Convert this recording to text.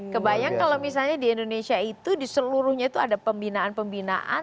kebayang kalau misalnya di indonesia itu di seluruhnya itu ada pembinaan pembinaan